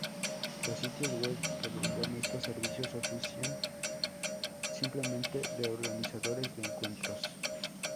Los sitios web que brindan estos servicios ofician simplemente de organizadores de encuentros.